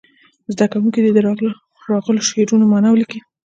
زده کوونکي دې د راغلو شعرونو معنا ولیکي.